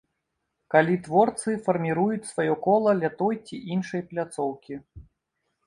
Калі творцы фарміруюць сваё кола ля той ці іншай пляцоўкі.